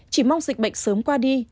chỉ mong dịch bệnh sớm qua đi